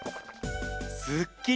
すっきり！